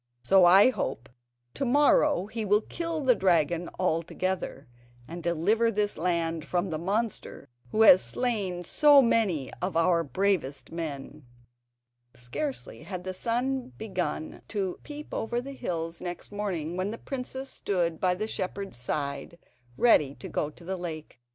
So I hope to morrow he will kill the dragon altogether, and deliver this land from the monster who has slain so many of our bravest men." Scarcely had the sun begun to peep over the hills next morning, when the princess stood by the shepherd's side, ready to go to the lake.